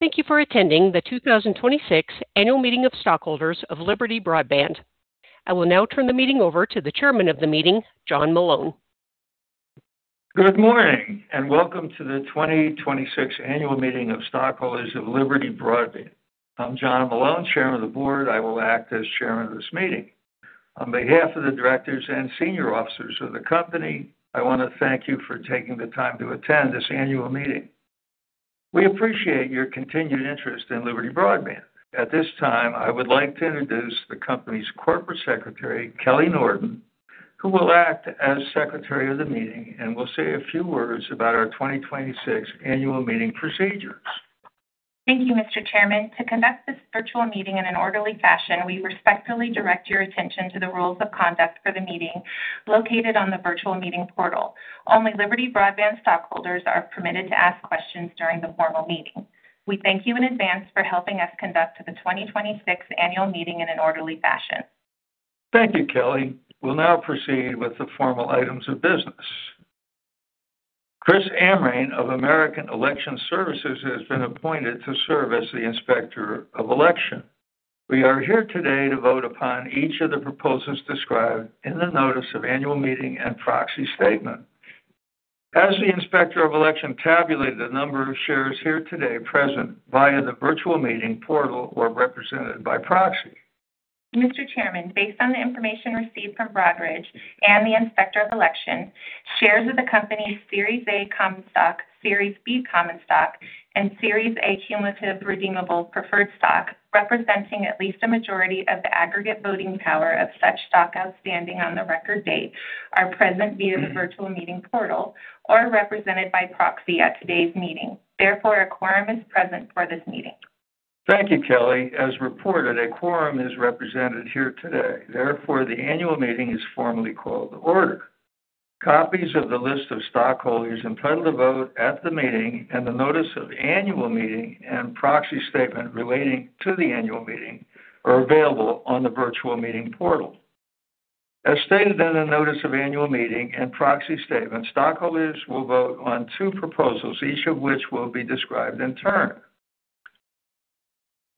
Thank you for attending the 2026 annual meeting of stockholders of Liberty Broadband. I will now turn the meeting over to the chairman of the meeting, John Malone. Good morning, welcome to the 2026 annual meeting of stockholders of Liberty Broadband. I'm John Malone, chairman of the board. I will act as chairman of this meeting. On behalf of the directors and senior officers of the company, I want to thank you for taking the time to attend this annual meeting. We appreciate your continued interest in Liberty Broadband. At this time, I would like to introduce the company's Corporate Secretary, Kellie Norton, who will act as secretary of the meeting and will say a few words about our 2026 annual meeting procedures. Thank you, Mr. Chairman. To conduct this virtual meeting in an orderly fashion, we respectfully direct your attention to the rules of conduct for the meeting located on the virtual meeting portal. Only Liberty Broadband stockholders are permitted to ask questions during the formal meeting. We thank you in advance for helping us conduct the 2026 annual meeting in an orderly fashion. Thank you, Kellie. We'll now proceed with the formal items of business. Christine Amrhein of American Election Services has been appointed to serve as the Inspector of Election. We are here today to vote upon each of the proposals described in the notice of annual meeting and proxy statement. Has the Inspector of Election tabulated the number of shares here today present via the virtual meeting portal or represented by proxy? Mr. Chairman, based on the information received from Broadridge and the Inspector of Election, shares of the company's Series A common stock, Series B common stock, and Series A cumulative redeemable preferred stock, representing at least a majority of the aggregate voting power of such stock outstanding on the record date, are present via the virtual meeting portal or represented by proxy at today's meeting. Therefore, a quorum is present for this meeting. Thank you, Kellie. As reported, a quorum is represented here today, therefore, the annual meeting is formally called to order. Copies of the list of stockholders entitled to vote at the meeting and the notice of annual meeting and proxy statement relating to the annual meeting are available on the virtual meeting portal. As stated in the notice of annual meeting and proxy statement, stockholders will vote on two proposals, each of which will be described in turn.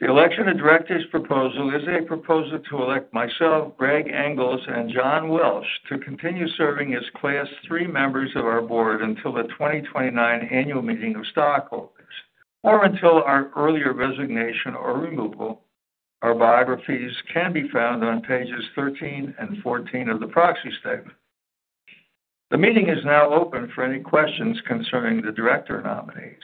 The election of directors proposal is a proposal to elect myself, Gregg Engles, and John Welsh to continue serving as class III members of our board until the 2029 annual meeting of stockholders or until our earlier resignation or removal. Our biographies can be found on pages 13 and 14 of the proxy statement. The meeting is now open for any questions concerning the director nominees.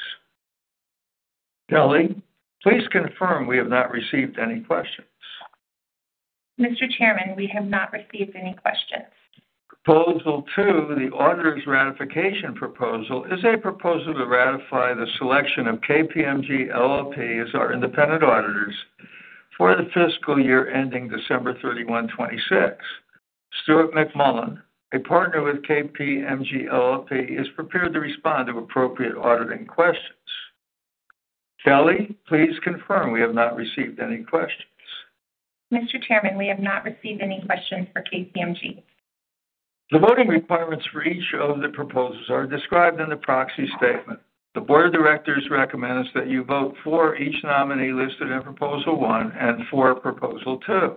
Kellie, please confirm we have not received any questions. Mr. Chairman, we have not received any questions. Proposal two, the auditor's ratification proposal, is a proposal to ratify the selection of KPMG LLP as our independent auditors for the fiscal year ending December 31, 2026. Stuart McMullin, a partner with KPMG LLP, is prepared to respond to appropriate auditing questions. Kellie, please confirm we have not received any questions. Mr. Chairman, we have not received any questions for KPMG. The voting requirements for each of the proposals are described in the proxy statement. The board of directors recommends that you vote for each nominee listed in proposal one and for proposal two.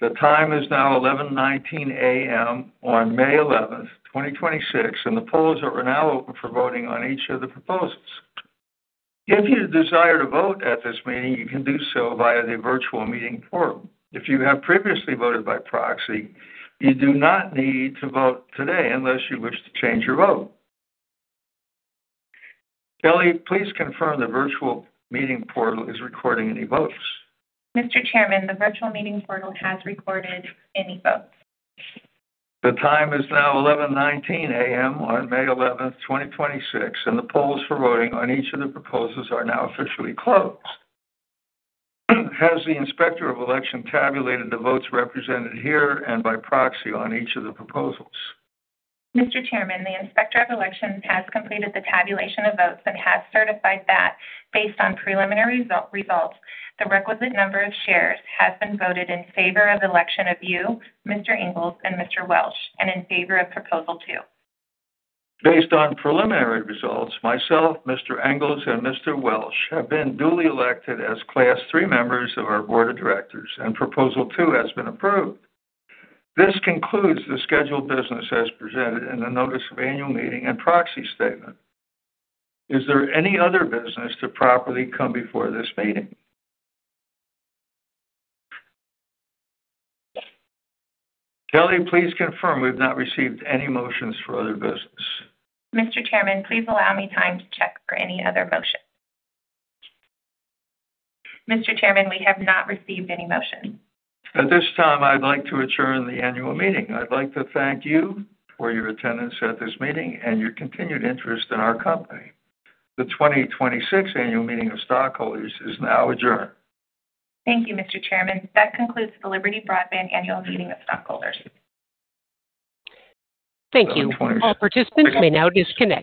The time is now 11:19 A.M. on May 11, 2026, and the polls are now open for voting on each of the proposals. If you desire to vote at this meeting, you can do so via the virtual meeting portal. If you have previously voted by proxy, you do not need to vote today unless you wish to change your vote. Kellie, please confirm the virtual meeting portal is recording any votes. Mr. Chairman, the virtual meeting portal has recorded any votes. The time is now 11:19 A.M. on May 11, 2026, and the polls for voting on each of the proposals are now officially closed. Has the inspector of election tabulated the votes represented here and by proxy on each of the proposals? Mr. Chairman, the Inspector of Election has completed the tabulation of votes and has certified that based on preliminary results, the requisite number of shares have been voted in favor of election of you, Mr. Engles, and Mr. Welsh, and in favor of proposal two. Based on preliminary results, myself, Mr. Engles, and Mr. Welsh have been duly elected as class III members of our board of directors, and proposal two has been approved. This concludes the scheduled business as presented in the Notice of Annual Meeting and Proxy Statement. Is there any other business to properly come before this meeting? Kellie, please confirm we've not received any motions for other business. Mr. Chairman, please allow me time to check for any other motions. Mr. Chairman, we have not received any motions. At this time, I'd like to adjourn the annual meeting. I'd like to thank you for your attendance at this meeting and your continued interest in our company. The 2026 annual meeting of stockholders is now adjourned. Thank you, Mr. Chairman. That concludes the Liberty Broadband annual meeting of stockholders. Thank you. All participants may now disconnect.